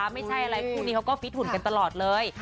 ไม่ใช่อะไรคู่นี้เขาก็ฟิตหุ่นกันตลอดเลย